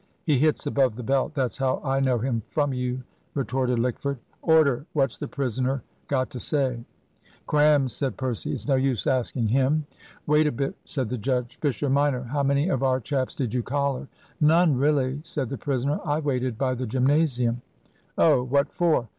"He hits above the belt, that's how I know him from you," retorted Lickford. "Order what's the prisoner got to say!" "Crams," said Percy, "it's no use asking him." "Wait a bit," said the judge. "Fisher minor, how many of our chaps did you collar?" "None, really," said the prisoner. "I waited by the gymnasium." "Oh. What for?"